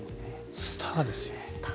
スターですよ。